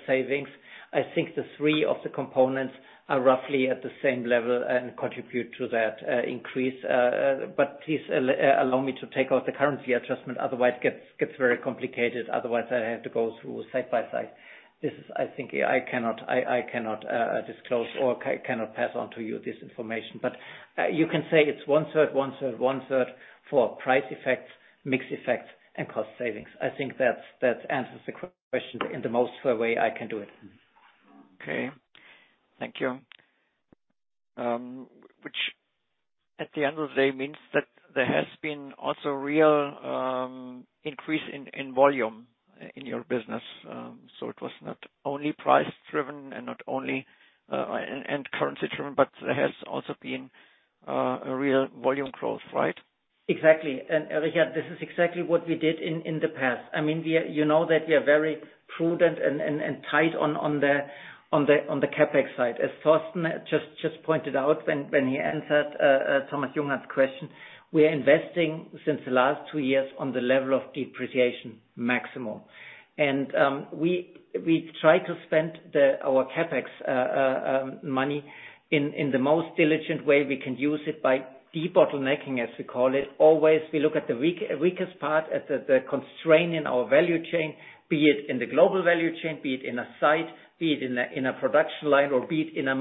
savings. I think the three of the components are roughly at the same level and contribute to that, increase. Please allow me to take out the currency adjustment. Otherwise, it gets very complicated. Otherwise, I have to go through side by side. I think I cannot disclose or cannot pass on to you this information. You can say it's one-third, one-third, one-third for price effects, mix effects, and cost savings. I think that answers the question in the most fair way I can do it. Okay. Thank you. Which at the end of the day means that there has been also real increase in volume in your business. It was not only price driven and not only currency driven, but there has also been a real volume growth, right? Exactly. Yeah, this is exactly what we did in the past. I mean, you know that we are very prudent and tight on the CapEx side. As Torsten just pointed out when he answered Thomas Junghanns' question, we are investing since the last two years on the level of depreciation maximum. We try to spend our CapEx money in the most diligent way we can use it by debottlenecking, as we call it. Always, we look at the weakest part at the constraint in our value chain, be it in the global value chain, be it in a site, be it in a production line, or be it in a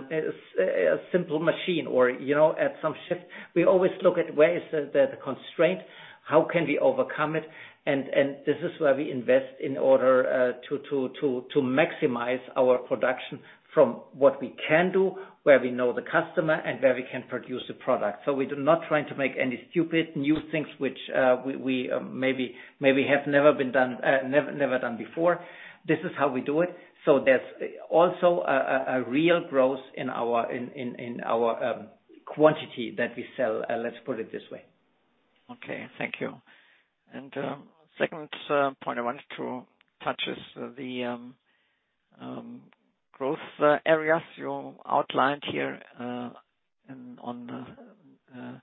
simple machine or, you know, at some shift. We always look at where is the constraint, how can we overcome it, and this is where we invest in order to maximize our production from what we can do, where we know the customer, and where we can produce the product. We do not try to make any stupid new things which we maybe have never been done, never done before. This is how we do it. There's also a real growth in our quantity that we sell, let's put it this way. Okay. Thank you. Second point I wanted to touch is the growth areas you outlined here on the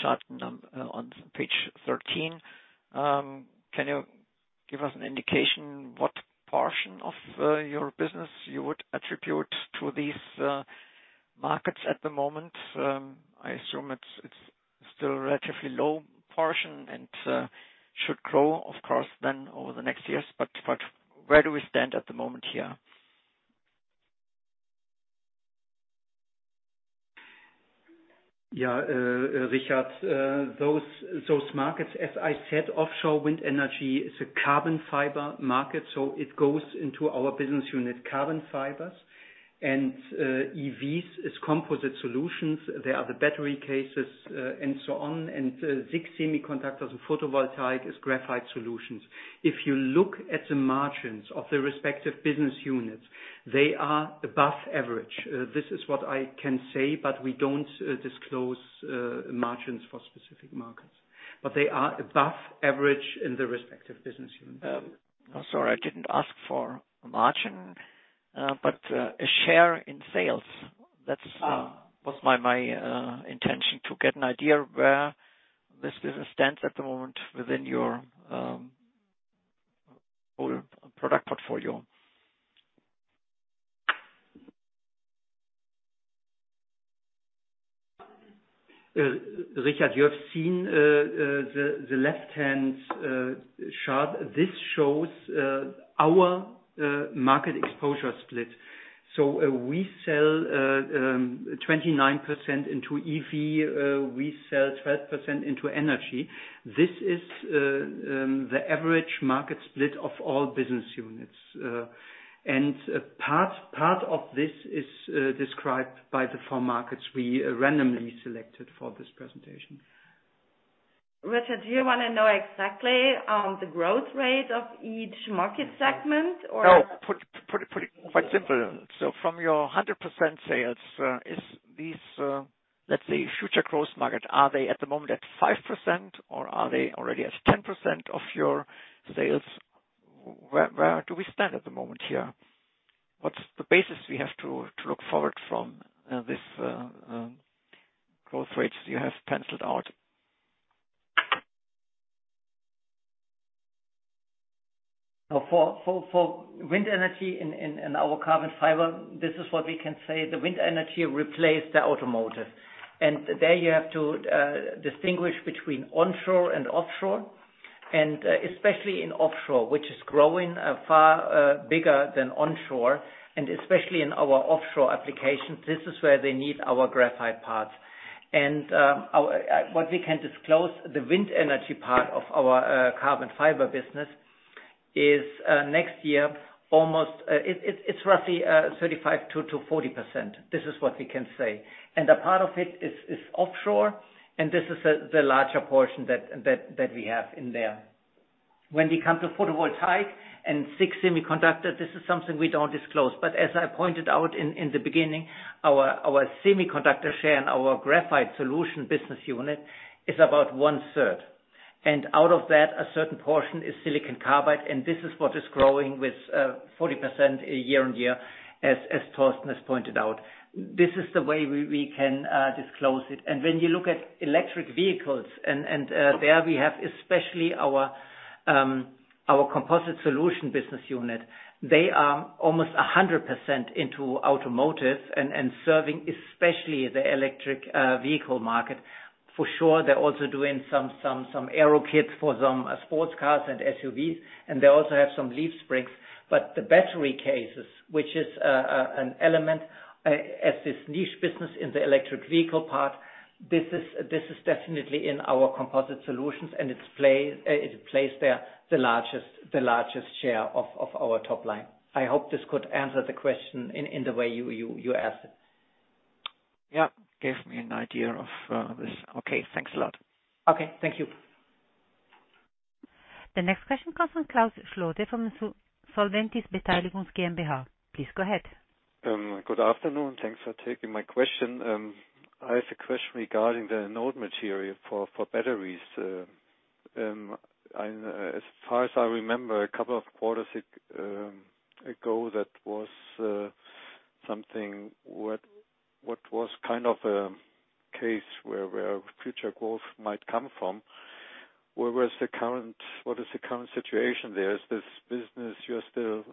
chart on page 13. Can you give us an indication what portion of your business you would attribute to these markets at the moment? I assume it's still a relatively low portion and should grow, of course, then over the next years. Where do we stand at the moment here? Yeah. Richard, those markets, as I said, offshore wind energy is a carbon fiber market, so it goes into our business unit, Carbon Fibers. EVs is Composite Solutions. They are the battery cases, and so on. SiC semiconductors and photovoltaic is Graphite Solutions. If you look at the margins of the respective business units, they are above average. This is what I can say, but we don't disclose margins for specific markets. They are above average in the respective business units. Sorry, I didn't ask for a margin, but a share in sales. Ah. Was my intention to get an idea of where this business stands at the moment within your whole product portfolio. Richard, you have seen the left-hand chart. This shows our market exposure split. We sell 29% into EV. We sell 12% into energy. This is the average market split of all business units. Part of this is described by the four markets we randomly selected for this presentation. Richard, do you wanna know exactly, the growth rate of each market segment, or? No. Put it quite simple. From your 100% sales, is these let's say future growth market, are they at the moment at 5%, or are they already at 10% of your sales? Where do we stand at the moment here? What's the basis we have to look forward from, this growth rates you have penciled out? For wind energy and our carbon fiber, this is what we can say. The wind energy replaced the automotive. There you have to distinguish between onshore and offshore, and especially in offshore, which is growing far bigger than onshore. Especially in our offshore applications, this is where they need our graphite parts. What we can disclose, the wind energy part of our carbon fiber business is next year, almost it's roughly 35%-40%. This is what we can say. A part of it is offshore, and this is the larger portion that we have in there. When we come to photovoltaic and SiC semiconductor, this is something we don't disclose. As I pointed out in the beginning, our semiconductor share in our Graphite Solutions business unit is about one-third. Out of that, a certain portion is silicon carbide, and this is what is growing with 40% year-on-year, as Torsten has pointed out. This is the way we can disclose it. When you look at electric vehicles, there we have especially our Composite Solutions business unit. They are almost 100% into automotive and serving especially the electric vehicle market. For sure, they're also doing some aero kits for some sports cars and SUVs, and they also have some leaf springs. The battery cases, which is an element as this niche business in the electric vehicle part, this is definitely in our Composite Solutions, and it plays there the largest share of our top line. I hope this could answer the question in the way you asked it. Yeah. Gave me an idea of this. Okay, thanks a lot. Okay, thank you. The next question comes from Klaus Schlöte from Solventis. Please go ahead. Good afternoon. Thanks for taking my question. I have a question regarding the anode material for batteries. As far as I remember, a couple of quarters ago, that was something that was kind of a case where future growth might come from. What is the current situation there? Is this business you are still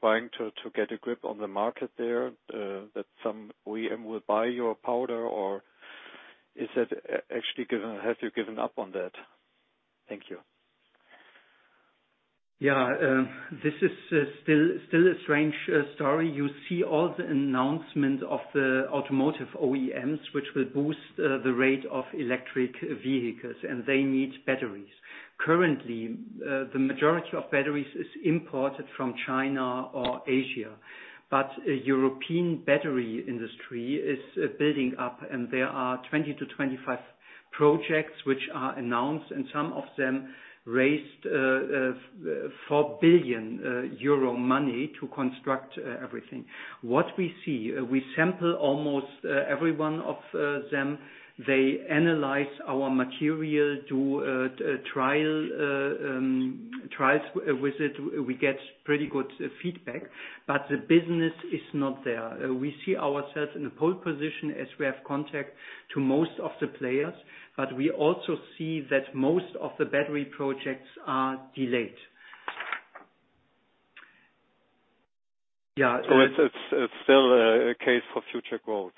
trying to get a grip on the market there that some OEM will buy your powder? Or is it actually given, have you given up on that? Thank you. Yeah. This is still a strange story. You see all the announcements of the automotive OEMs, which will boost the rate of electric vehicles, and they need batteries. Currently, the majority of batteries is imported from China or Asia, but a European battery industry is building up, and there are 20%-25%. Projects which are announced and some of them raised 4 billion euro to construct everything. What we see, we sample almost every one of them. They analyze our material, do trials with it. We get pretty good feedback, but the business is not there. We see ourselves in a pole position as we have contact to most of the players, but we also see that most of the battery projects are delayed. It's still a case for future growth,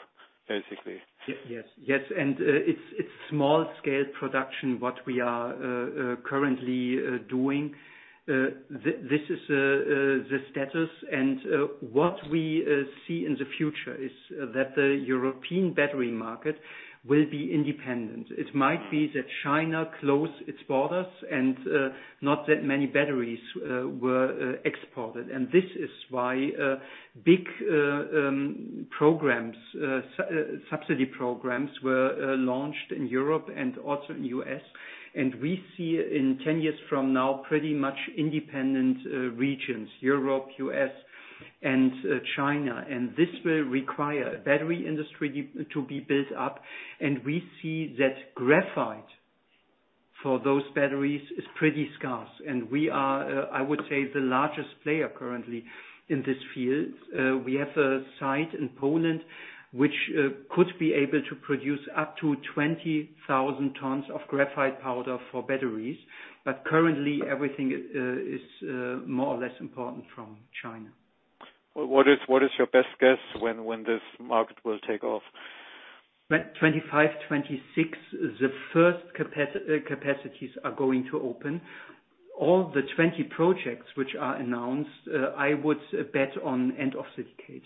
basically. Yes. It's small-scale production what we are currently doing. This is the status and what we see in the future is that the European battery market will be independent. It might be that China closed its borders and not that many batteries were exported. This is why big subsidy programs were launched in Europe and also in the U.S. We see in 10 years from now pretty much independent regions, Europe, the U.S. and China. This will require a battery industry to be built up. We see that graphite for those batteries is pretty scarce. We are, I would say, the largest player currently in this field. We have a site in Poland which could be able to produce up to 20,000 tons of graphite powder for batteries. Currently everything is more or less imported from China. What is your best guess when this market will take off? 25, 26, the first capacities are going to open. All the 20 projects which are announced, I would bet on end of this decade.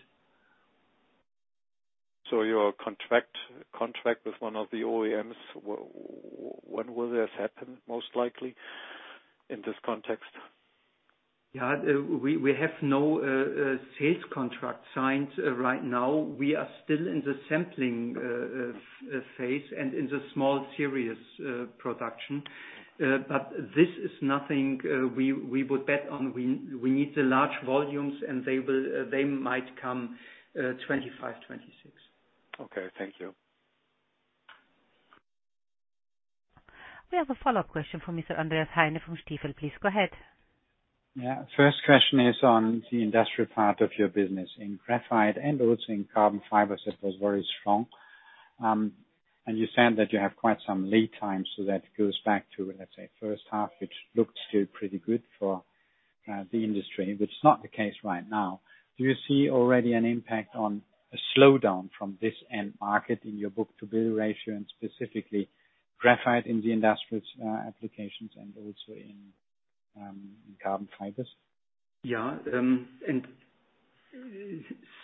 Your contract with one of the OEMs, when will this happen, most likely in this context? We have no sales contract signed right now. We are still in the sampling phase and in the small series production. This is nothing we would bet on. We need the large volumes, and they might come 2025, 2026. Okay. Thank you. We have a follow-up question from Mr. Andreas Heine from Stifel. Please go ahead. Yeah. First question is on the industrial part of your business in graphite and also in carbon fibers. It was very strong. You said that you have quite some lead time, so that goes back to, let's say, first half, which looked still pretty good for the industry, but it's not the case right now. Do you see already an impact on a slowdown from this end market in your book-to-bill ratio and specifically graphite in the industrial applications and also in carbon fibers? Yeah.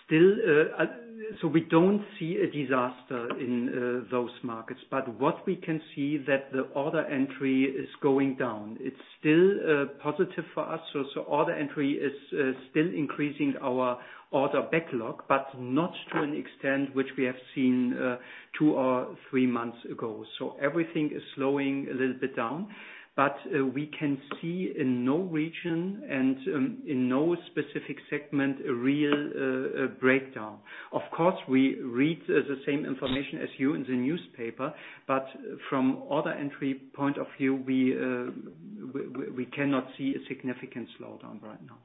Still, we don't see a disaster in those markets. What we can see that the order entry is going down. It's still positive for us. Order entry is still increasing our order backlog, but not to an extent which we have seen two or three months ago. Everything is slowing a little bit down. We can see in no region and in no specific segment a real breakdown. Of course, we read the same information as you in the newspaper, but from order entry point of view, we cannot see a significant slowdown right now.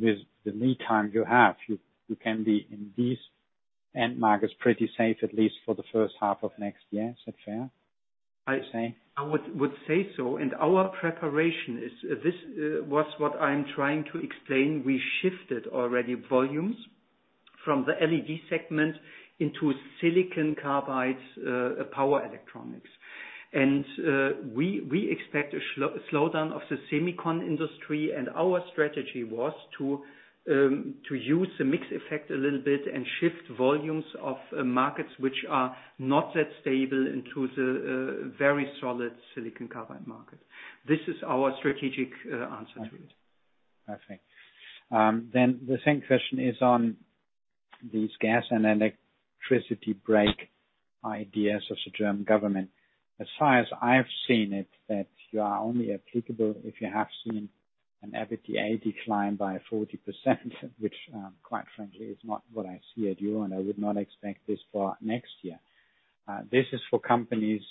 With the lead time you have, you can be in these end markets pretty safe, at least for the first half of next year. Is that fair, I say? I would say so. Our preparation was what I'm trying to explain. We shifted already volumes from the LED segment into silicon carbide power electronics. We expect a slowdown of the semicon industry and our strategy was to use the mix effect a little bit and shift volumes of markets which are not that stable into the very solid silicon carbide market. This is our strategic answer to it. I see. The second question is on these gas and electricity brake ideas of the German government. As far as I've seen it, that they are only applicable if you have seen an EBITDA decline by 40%, which quite frankly is not what I see for you, and I would not expect this for next year. This is for companies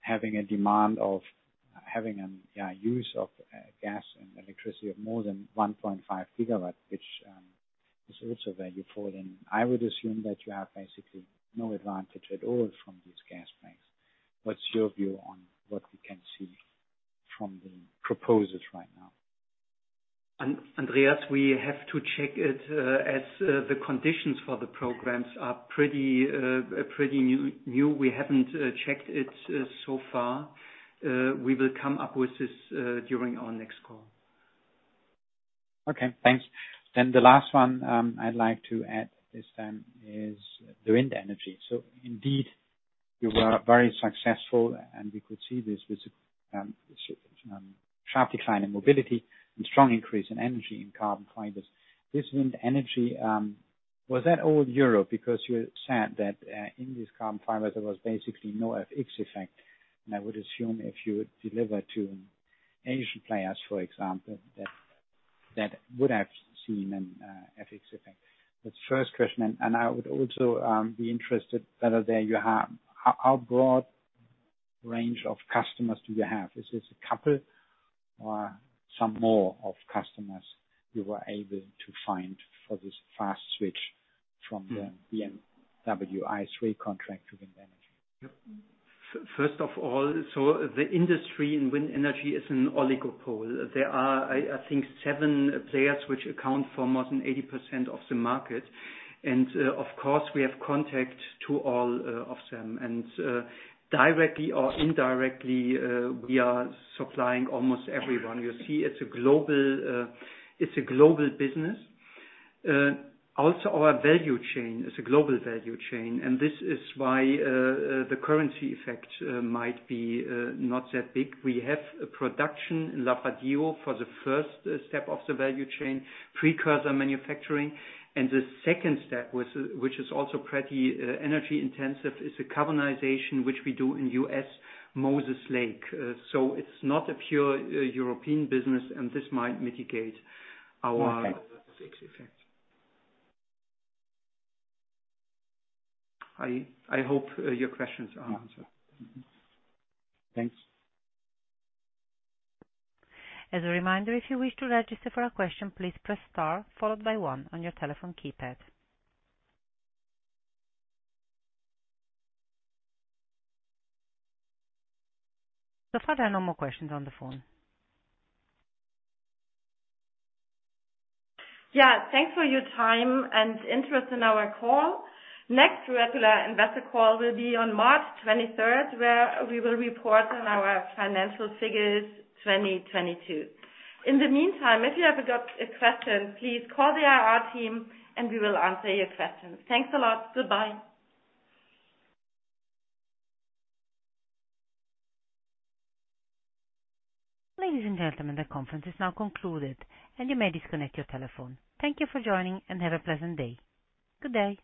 having a demand of use of gas and electricity of more than 1.5 GW, which is also valid for them. I would assume that you have basically no advantage at all from these gas brakes. What's your view on what we can see from the proposals right now? Andreas, we have to check it, as the conditions for the programs are pretty new. We haven't checked it so far. We will come up with this during our next call. Okay, thanks. The last one I'd like to add this then is the wind energy. Indeed, you were very successful, and we could see this with sharp decline in mobility and strong increase in energy and carbon fibers. This wind energy, was that all Europe because you said that in this carbon fibers there was basically no FX effect, and I would assume if you deliver to Asian players, for example, that would have seen an FX effect. That's first question. I would also be interested whether there you have how broad range of customers do you have? Is this a couple or some more of customers you were able to find for this fast switch from the BMW i3 contract to wind energy? First of all, the industry in wind energy is an oligopoly. There are, I think, seven players which account for more than 80% of the market. Of course, we have contact to all of them. Directly or indirectly, we are supplying almost everyone. You see, it's a global business. Also our value chain is a global value chain, and this is why the currency effect might not be that big. We have a production in Lavradio for the first step of the value chain, precursor manufacturing. The second step which is also pretty energy intensive is the carbonization, which we do in the U.S., Moses Lake. It's not a pure European business and this might mitigate our- Okay. FX effect. I hope your questions are answered. Thanks. As a reminder, if you wish to register for a question, please press star followed by one on your telephone keypad. So far, there are no more questions on the phone. Yeah, thanks for your time and interest in our call. Next regular investor call will be on March 23rd, where we will report on our financial figures 2022. In the meantime, if you have got a question, please call the IR team and we will answer your questions. Thanks a lot. Goodbye. Ladies and gentlemen, the conference is now concluded and you may disconnect your telephone. Thank you for joining and have a pleasant day. Good day.